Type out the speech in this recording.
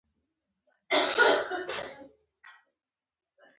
پیاز د ویښتو قوي کولو لپاره کارېږي